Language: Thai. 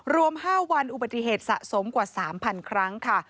รวม๕วันอุบัติเหตุสะสมกว่า๓๐๐๐ครั้งค่ะ